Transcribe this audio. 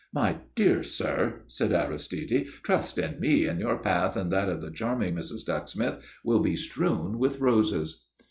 "My dear sir," said Aristide, "trust in me, and your path and that of the charming Mrs. Ducksmith will be strewn with roses."